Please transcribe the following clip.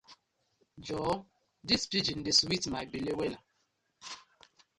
Joor dis pidgin just dey sweet my belle wella.